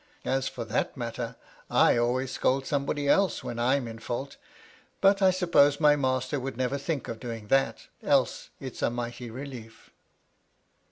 As for that matter, I always scold somebody else when I'm in fault; but I suppose my master would never think of doing that, else it's a mighty relief.